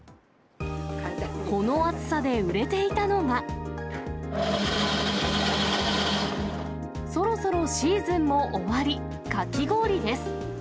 この暑さで売れていたのが、そろそろシーズンも終わり、かき氷です。